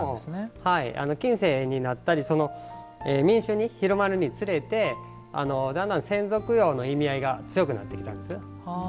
禁制になったり民衆に広まるにつれてだんだん先祖供養の意味合いが強くなってきたんです。